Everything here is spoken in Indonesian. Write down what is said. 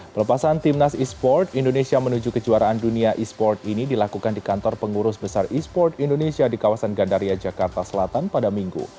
pelepasan timnas esport indonesia menuju kejuaraan dunia esport ini dilakukan di kantor pengurus besar esport indonesia di kawasan gandaria jakarta selatan pada minggu